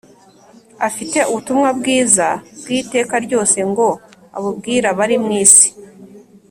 afite ubutumwa bwiza bw‟iteka ryose ngo abubwira abari mu isi